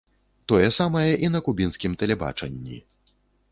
Тое самае і на кубінскім тэлебачанні.